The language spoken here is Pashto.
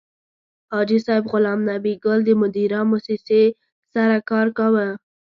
حاجي صیب غلام نبي ګل د مدیرا موسسې سره کار کاوه.